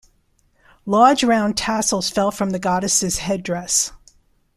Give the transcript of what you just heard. Large round tassels fell from the goddess's headdress.